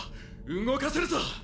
動かせるぞ！